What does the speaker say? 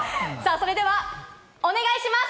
それではお願いします。